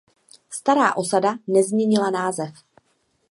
Stará osada nezměnila název.